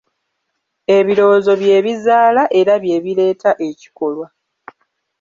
Ebirowoozo bye bizaala era bye bireeta ekikolwa.